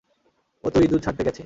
ও তো ইদুর ছাড়তে গেছে।